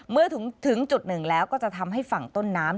เมื่อถึงจุดหนึ่งแล้วก็จะทำให้ฝั่งต้นน้ำ